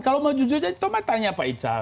kalau mau jujur saja tolong saya tanya pak ical